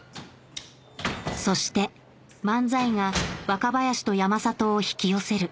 そして漫才が若林と山里を引き寄せるあ。